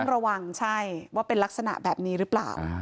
ระวังใช่ว่าเป็นลักษณะแบบนี้หรือเปล่า